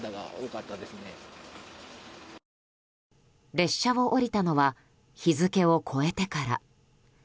列車を降りたのは日付を超えてから。